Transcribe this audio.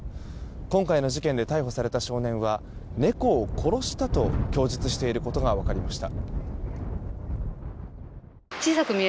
今回の事件で逮捕された少年は猫を殺したと供述していることが分かりました。